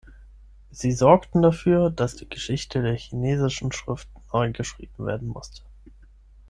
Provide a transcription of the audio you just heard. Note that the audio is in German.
Sie sorgten dafür, dass die Geschichte der chinesischen Schrift neu geschrieben werden musste.